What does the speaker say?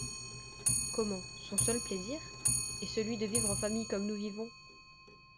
Comment, son seul plaisir ? et celui de vivre en famille comme nous vivons !